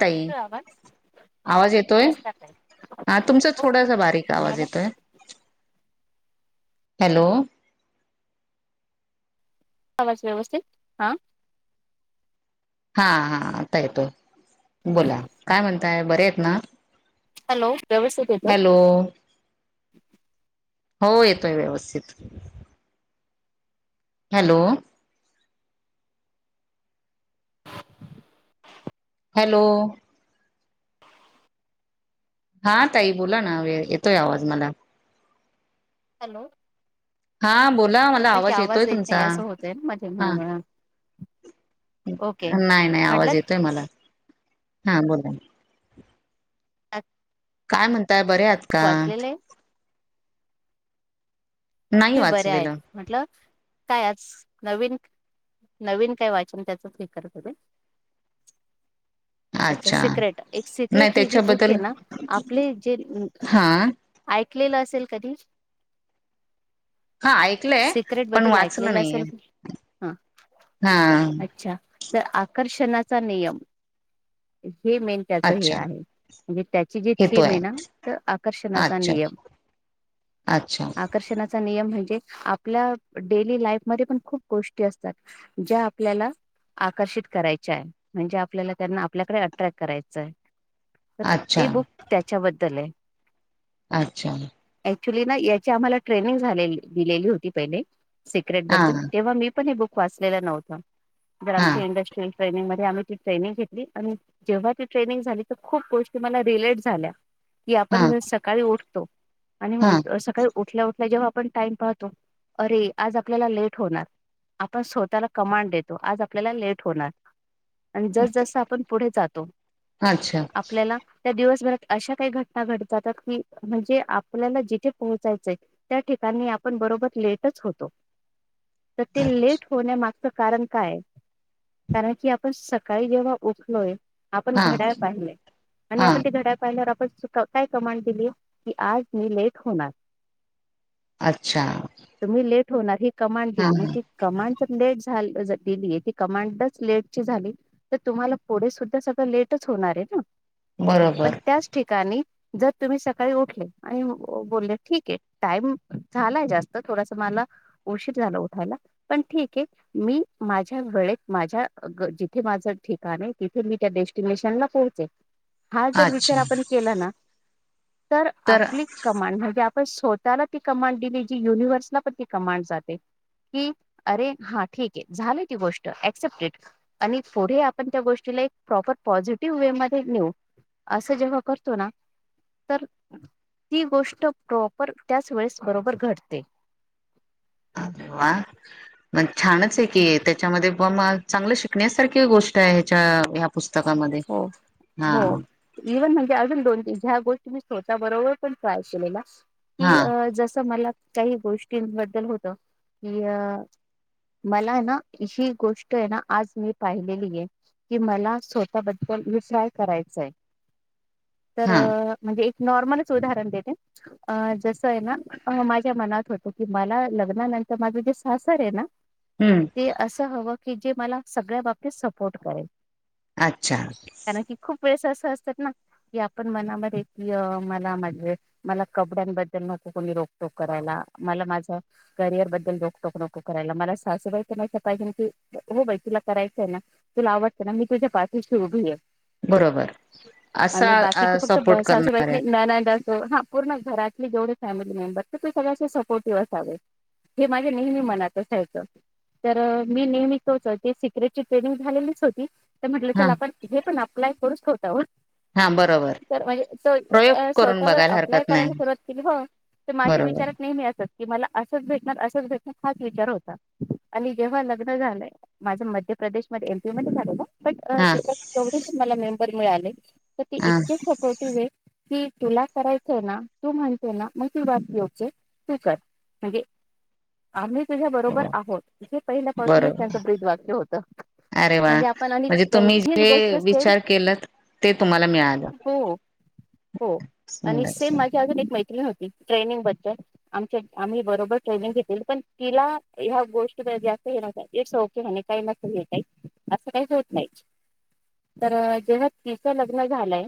ताई येतोय आवाज? आवाज येतोय. नमस्कार ताई. हा तुमचा हो थोडासा बारीक आवाज तुम्हाला येतोय. हॅलो आवाज व्यवस्थित हा हा हा आता येतोय बोला काय म्हणताय बरेयेत ना हॅलो [unintelligible] हॅलो हो येतोय व्यवस्थित हॅलो हॅलो हा ताई बोला ना व्य येतोय आवाज मला हॅलो हा बोला मला येते की येतोय आवाज येत तुमचा नाही असं होतय ना मध्ये म्हणून म्हणा ओके नाय नाय म्हटलं आवाज येतोय मला हा बोला [inaudible] काय म्हणताय बऱ्यात वाचलेले ये. नाही बऱ्या आहेत वाचलेलं म्हटलं काय आज नवीन नवीन काय वाचन त्याचच हे करत होते. अच्छा सिक्रेट एक नाही सिक्रेट हे जे बुक त्याच्याबद्दल ये ना आपले जे हा ऐकलेलं असेल कधी? हा ऐक सिक्रेट बद्दल ऐकलेलं असेल, हा हा अच्छा. तर आकर्षणाचा नियम, हे मेन त्याचं हे अच्छा आहे, म्हणजे त्याची जी थीम येतोय आहे ना, तर आकर्षणाचा अच्छा नियम. अच्छा. कर्षणाचा नियम म्हणजे, आपल्या डेली लाईफ मध्ये पण खूप गोष्टी असतात. ज्या आपल्याला आकर्षित करायच्या हाय, म्हणजे आपल्याला त्यांना आपल्याकडे अट्रॅक्ट करायचंय. तर अच्छा ते बुक त्याच्याबद्दल आहे. अच्छा. ऍक्च्युली ना याची आम्हाला ट्रेनिंग झालेली दिलेली होती पहिले, सिक्रेट हा बद्दल तेव्हा मी पण हे बुक वाचलेलं नव्हतं, जर हा आमच्या इंडस्ट्रियल ट्रेनिंग मध्ये आम्ही ती ट्रेनिंग घेतली आणि जेव्हा ती ट्रेनिंग झाली तर खूप गोष्टी मला रिलेट झाल्या. कि हा आपण जर सकाळी उठतो आणि म्हण हा अ सकाळी उठल्या उठ ल्या जेव्हा आपण टाइम पाहतो, अरे आज आपल्याला लेट होणार. आपण स्वतःला कमांड देतो, आज आपल्याला लेट होणार. आणि जसजस आपण पुढे जातो, अच्छा आपल्याला त्या दिवसभरात अशा काही घटना घडत जातात की, म्हणजे आपल्याला जिथे पोहोचायचंय त्या ठिकाणी आपण बरोबर लेटच होतो, तर ते अच्छ लेट होण्यामा च कारण काय? कारण की आपण सकाळी जेव्हा उठलोय आपण हा घड्याळ पाहिलंय आणि हा आपण ते घड्याळ पाहिल्यावर आपण स काय कमांड दिली? की आज मी लेट होणार. अच्छा. तुम्ही लेट होणार ही कमांड हा दिली, मग ह ती कमांड जर लेट झा जर दिली ती कमांडच लेटची झाली तर तुम्हाला पुढे सुद्धा सगळं लेटच होणार आहे ना. पण बरोबर त्याच ठिकाणी जर तुम्ही सकाळी उठले आणि बोलले ठीक आहे टाइम झालाय जास्त थोडास मला उशीर झाला उठायला, पण ठीक आहे मी माझ्या वेळेत माझ्या ग जिथे माझं ठिकाण आहे, तिथे मी त्या डेस्टिनेशनला पोह चे. हा जर विचार अच्छा आपण केला ना, तर आपली कमांड म्हणजे आपण स ताला ती कमांड दिली जी युनिव्हर्सला पण ती कमांड जाते. की, अरे हा ठीक आहे झाले ती गोष्ट ऍक्सेप्टेड. आणि पुढे आपण त्या गोष्टीला एक प्रॉपर पॉझिटिव्ह वे मध्ये नेऊ. असं जेव्हा करतो ना, तर ती गोष्ट प्रॉप पर त्याच वेळेस बरोबर घडते. अरे वा! म छानच आहे की, त्याच्यामध्ये प म चांगलं शिकण्यासारखी गोष्ट आहे ह्याच्या ह्या पुस्तकामध्ये. हो हा हो. इव्हन म्हणजे अजून दोन ती ज्या गोष्टी मी स्वतः बरोबर पण ट्राय केलेल्या. हा कि अ जसं मला काही गोष्टींबद्दल होतं, की अ मला हाय ना, ही गोष्ट आहे ना आज मी पाहिलेली आहे, की मला स् ता बद्दल विचार करायचाय तर हा अ म्हणजे एक नॉर्मलच उदाहरण देते. अ जसं आहे ना माझ्या मनात होतो की मला लग्नानंतर माझं जे सासर आहे ना. हम्म. ते असं हवं की जे मला सगळ्या बाबतीत सपोर्ट करेल. अच्छा! कारण की खूप वेळेस असं असतात ना, की आपण मनामध्ये अ मनामध्ये मला कपड्यांबद्दल नको कोणी रोकटोक करायला. मला माझा करिअर बद्दल रोकटोक नोको करायला. मला सासूबाई पणं पाहिजे ना की हो बाई तुला करायचंय ना. तुला आवडतं ना, मी तुझ्या पाठीशी उभी आहे. बरोबर आणि असा बाकीचे फक्त सपोर्ट सासुबाई करणाऱ्या [unintelligible] हा पूर्ण घरातले जेवढे फॅमिली मेंबर ते सगळे सपोर्टिव्ह असावे. हे माझ्या नेहमी मनात असायचं. तर मी नेहमीच [unintelligible] ची ट्रेनिंग झालेलीच होती तर म्हट हा चला आपण हे पण अप्लाय क हा बरोबर [unintelligible] तर प्रयोग म्हणजे करून स्वतःवर बघायला अप्लाय हरकत करायला नाही सुरुवात केली हो. तर माझ्या बरोबर विचारात नेहमी असत. क मला असंच भेटणार असंच भेटणार हाच विचार होता. आणि जेव्हा लग्न झालंय. माझं मध्य प्रदेशमध्ये एमपी मध्ये झालेलं पण हा. तेवढेच मला मेंबर मिळाले, तर ते हा इतके सपोर्टिव्ह आहे. की तुला करायचंय ना तू म्हणतेय ना मग ती बात योग्य आहे. तू कर. म्हणजे आम्ही तुझ्या बरोबर हो आहोते. हे पहिल्यापासूनच बरोबर त्यांचं ब्रीद वाक्य होत. अरे वा! म्हज तुम्ही जे सेम विचार केला ते तुम्हाला मिळालं. हो हो. आणि सुंदर सेम माझी सुंदर अजून एक मैत्रिण होती ट्रेनिंग मध्ये आमच्या आम्ही बरोबर ट्रेनिंग घेतली, पण तिला ह्या गोष्टी जास्त हे नव्हतं इट्स ओके म्हणायची. [unintelligible] नाही तर जेव्हा तिचं लग्न झालंय.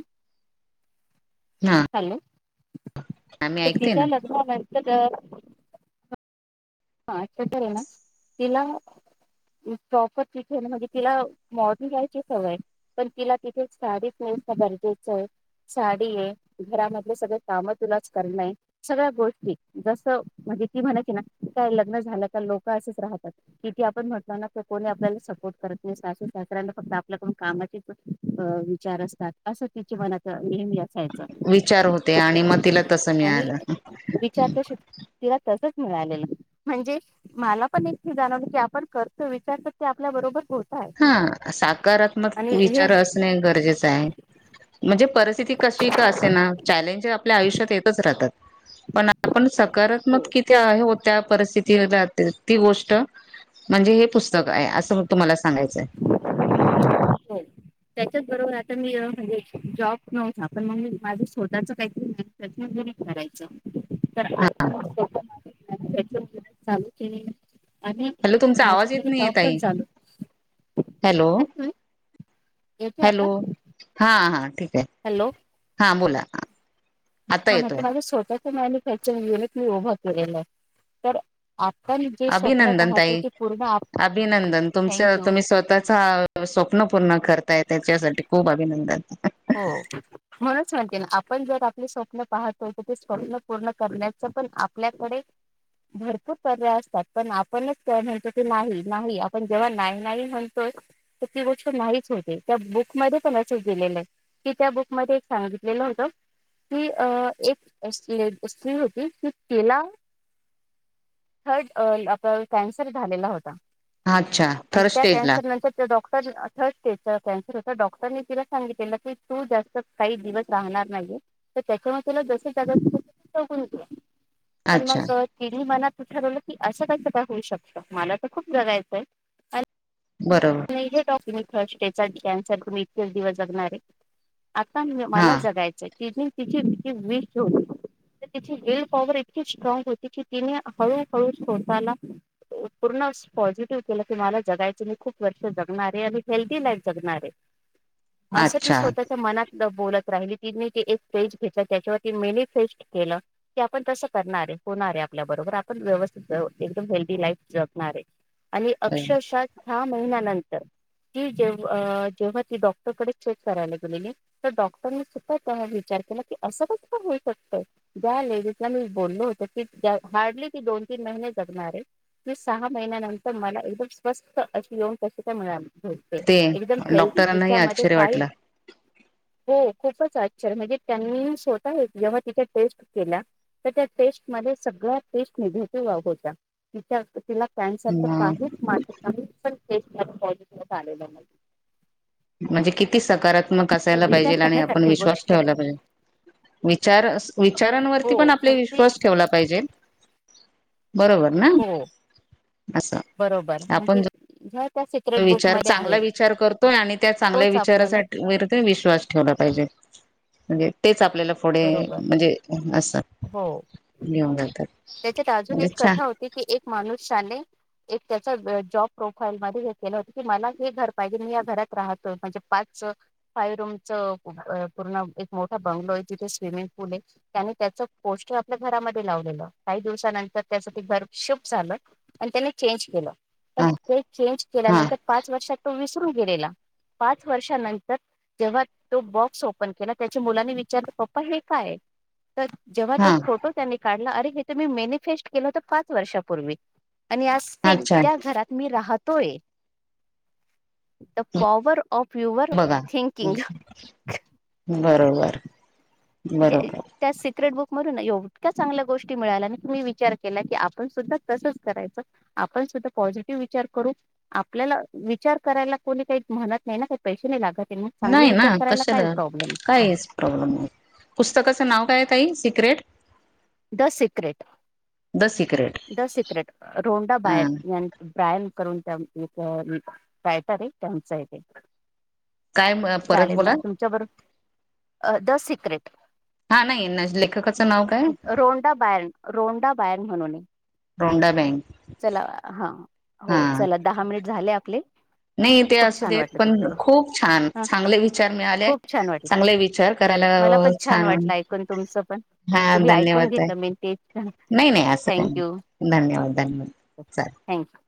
हा हॅलो. आम्ही तर ऐकते ना तिच्या लग्नानंतर हा. [unintelligible] ना तिला. प्रॉपर तिथे म्हणजे तिला [unintelligible] जायची सवय पण तिला तिथेच साडी नेसणं गरजेचं आहे. साडी आहे. घरामधले सगळे काम तिलाच करणं आहे. सगळ्या गोष्टी जसं म्हणजे ती म्हणत होती ना. काय लग्न झालं का लोक असेच राहतात. किती आपण म्हटल ना तर कोणी आपल्याला सपोर्ट करत नाही. सासू सासऱ्यांना फक्त आपल्या आपल्या कामाची अ विचार असतात. असं तिच्या मनात नेहमी असायचं. विचार होते आणि मग तिला तस आणि मिळालं. विचार जसे तिला तसच मिळालेल. म्हणजे मला पण एके जाणवलं की आपण करतो विचारतो ते आपल्या बरोबर होत. आहे. हा सकारात्मक आणि विचार हेच असणे गरजेचं आहे. म्हणजे परिस्थिती कशी का असेना, चॅलेंज आपल्या आयुष्यात येतच राहतात. पण आपण हो सकारात्मक कि होत्या. परिस्थिती [unintelligible] ती गोष्ट म्हणजे हे पुस्तक आहे असं तुम्हाला सांगायचाय. हो. त्याच्याच बरोबर आता मी अ म्हणजे जॉब नव्हता, पण मग मी माझं स्वतःच काहीतरी [unintelligible] करायचं. तर आता चा [unintelligible] चालू केले आणि हॅलो तुमचा आवाज माझी येत नाहीये [unintelligible] पण ताई चालू आता हॅलो येतोय, येतोय हॅलो आता? हा हा ठीक आहे. हॅलो! हा बोला. आता हा म्हंटल येतोय माझं स्वतःच मॅन्युफॅक्चरिंग [unintelligible] की उभं केलेलं, तर आता अभिनंदन ताई! अभिनंदन तुमचं थँक्यू तुम्ही स्वतःचा स्वप्न पूर्ण करताय त्याच्यासाठी खूप अभिनंदन. हो. म्हणूनच म्हणते ना, आपण जर आपले स्वप्न पाहतो, तर ते स्वप्न पूर्ण करण्याचं पण आपल्याकडे भरपूर पर्याय असतात, पण आपणच तेव्हा म्हणतो की नाही नाही, आपण जेव्हा नाही नाही म्हणतो तर ती गोष्ट नाहीच होते, त्या बुकमध्ये पण असंच दिलेलंय. कि त्या बुक मध्ये एक सांगितलेलं होतं ती अ एक अस स्त्री होती की तिला थर्ड अ प कॅन्सर झालेला होता अच्छा आणि थर्ड त्या स्टेज ला कॅन्सर नंतर ते डॉक तर अ थर्ड स्टेजचा कॅन्सर होता, डॉक्टरनी तिला सांगितलेलं की तू जास्त काही दिवस राहणार नाहीये. तर त्याच्यामुळं तुला जसं जगायचंय तसं तु जगून घे. पण अच्छा मग अ तिनी मनात ठरवलं की असं कसं काय होऊ शकतं, मला तर खूप जगायचंय. बरोब नाय हे [unintelligible] थर्ट डे कॅन्सर तुम्ही इतकेच दिवस जगणार आहे. आता मला हा जगायचंय ति तिची ती वीष होती. तर तिची विल पॉवर इतकी स्ट्रॉग होती की तिने हळूहळू स्वतःला अ पूर्ण स पॉझिटिव्ह केलं की मला जगायचंय, मी खूप वर्ष जगणार आहे आणि हेल्दी लाईफ जगणार आहे, असं ती अच्छा स्वतःच्या मनात बोलत राहिली, तिनी ती एक पेज घेतलं त्याच्यावरती मेनिफेस्ट केलं. की आपण तसं करणार आहे, होणार आहे आपल्या बरोबर आपण व्यवस्थित अ एकदम हेल्दी लाईफ ज नारे आणि अक्षरशः सहा महिन्यानंतर ती जेव अ जेव्हा ती डॉक्टरकडे चेक करायला गेलेली तर डॉक्टरनी सुद्धा तेव्हा विचार केला, की असं कसं होऊ शकतं. ज्या लेडीजला मी बोललो होतो, की हार्डली ती दोन तीन महिने जगणार आहे. की सहा महिन्यानंतर मला एकदम स्वस्त अशी येऊन कशी काय मिळाली? त ते एकदम हेल्दी डॉक्टरांनाही तिच्यामध्ये आश्चर्य काही वाटलं हो खूपच आश्चर्य, म्हणजे त्यांनी ही स्वतः जेव्हा तिच्या टेस्ट केल्या तर त्या टेस्ट मध्ये सगळ्या टेस्ट निगेटिव्ह आ होत्या, तिच्या तिला कॅन्सरच म काहीच माहित नाही पण टेस्ट या पॉसिटीव्हच आलेल्या नाहीयेत. म्हणजे किती सकारात्मक असायला पाहिजे आणि आपण करण्यासारखी विश्वास गोष्ट ठेवायला पाहिजे. विचार अ हो विचारांवरती पण आपले म्हणजे विश्वास ठेवला पाहिजे, बरोबर. ना हो असं बरोबर, म्हणजे आपण ह्यात विचार चांगला विचार करतोय आणि त्या चांगल्या तोच आपल्याला विचारासाठी वीर विश्वास ठेवला पाहिजे. म्हणजे तेच आपल्याला पुढे बरोबर म्हणजे असत हो घेऊन जातात. त्याच्यात अजून म्हणजे एक छान कथा होती की एक माणुस ने एक त्याच जॉब प्रोफाईल मध्ये हे केलं होत की मला हे घर पाहिजे मी या घरात राहतोय म्हणजे पाच फाय रूम च पूर्ण एक मोठा बंगलो आहे, तिथे स्विमिंग पूल आहे. त्यानी त्याच पोस्टर आपल्या घरामध्ये लावलेलं. काही दिवसानंतर त्याच घर शिफ्ट झालं आणि त्यानी चेंज केलं. पण हा ते चेंज हा केल्यानंतर पाच वर्षात तो विसरून गेलेला पाच वर्षानंतर जेव्हा तो बॉक्स ओपन केला त्याच्या मुलानी विचारलं पप्पा हे काय? तर जेव्हा तो हा फोटो त्यांनी काढला अरे हे त मी मॅनिफेस्ट केलं होत पाच वर्षापूर्वी आणि आज सेम अच्छा त्या घरात मी राहतोय तर पॉवर ऑफ युअर बघा थिंकिंग बरोबर. म्हणजे. बरोबर त्या सिक्रेट बुक मधून एवढ्या चांगल्या गोष्टी मिळाल्या आणि मी विचार केला की आपण सुद्धा कसंच करायचं. आपण सुद्धा पॉझिटिव्ह विचार करू आपल्याला विचार करायला कोणी काही म्हणत नाही ना! पैसे नाही लागत मग चांगले नाही ना विचार करायला काय कशाला प्रॉब्लेम काहीच प्रॉब्लेम नाही. पुस्तकाचं नाव काय ताई secret the secret the secret the secret Rhonda हा बायर. ब्रॅम करून एक कायटरे त्यांचं इथे [unintelligible] काय परत चालेल बोला मॅम तुमच्याबरोबर द सिक्रेट हा नाही लेखकाचं नाव काय रोंडा बेयर रोंडा बयर म्हणून आहे. रोंडा बँक चला हा हो हा चला दहा मिनिट झाले आपले. नाही ते खूप असू छान देत वाटलं पण तुमच्याबरोबर खूप छान हा चांगले विचार मिळाले खूप छान वाटलं चांगले विचार विचार मला करायला पण छान. वाटलं ऐकून तुमचं पण हा तुम्ही ऐकून धन्यवाद का घेतलं मेन ते थँक्यू नाही नाही असं काही नाही धन्यवाद धन्यवाद! चालेल. थँकू!